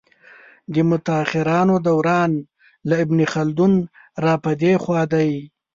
د متاخرانو دوران له ابن خلدون را په دې خوا دی.